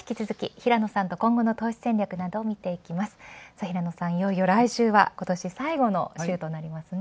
平野さん、いよいよ来週は今年最後の週となりますね。